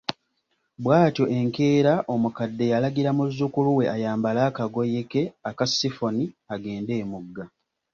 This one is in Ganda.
Bw’atyo enkeera omukadde yalagira muzzukulu we ayambale akagoye ke aka sifoni agende emugga.